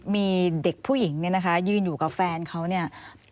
มีเด็กผู้หญิงเนี่ยนะคะยืนอยู่กับแฟนเขาเนี่ย